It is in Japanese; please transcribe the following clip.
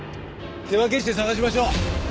手分けして捜しましょう。